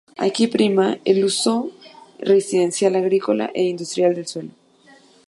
Aquí prima el uso residencial, agrícola e industrial del suelo.